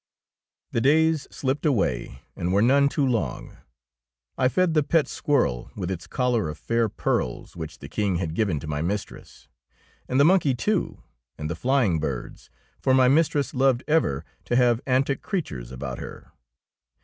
'^ The days slipped away and were none too long. I fed the pet squirrel with its collar of fair pearls which the King had given to my mistress, and the monkey too, and the flying birds, for my mistress loved ever to have an tic creatures about her.